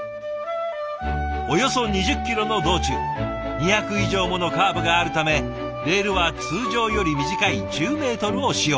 およそ２０キロの道中２００以上ものカーブがあるためレールは通常より短い１０メートルを使用。